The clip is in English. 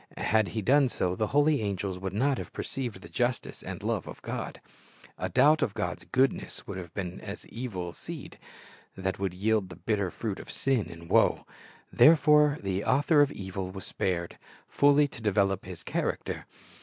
Had He done so, the holy angels would not have perceived the justice and love of God. A doubt of God's goodness would have been as evil seed, that would yield the bitter fruit of sin and woe. Therefore the author of evil was spared, fully to develop his character.